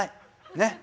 ねっ。